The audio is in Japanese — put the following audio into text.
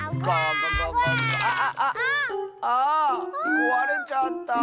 こわれちゃった。